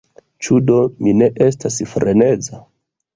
Ĉu do mi ne estas freneza?